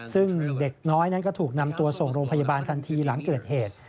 ซึ่งเด็กน้อยนั้นก็ถูกนำตัวส่งโรงพยาบาลทันทีหลังเกิดเหตุ